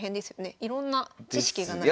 いろんな知識がないと。